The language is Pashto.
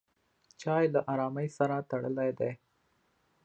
چای له ارامۍ سره تړلی دی.